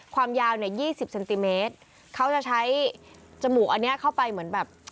ความยาว๒๐เซนติเมตรเขาจะใช้จมูกอันนี้เข้าไปเหมือนแบบ